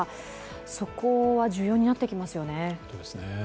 そこは重要になってきますよね。